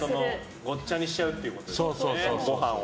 ごっちゃにしちゃうってことですね、ご飯を。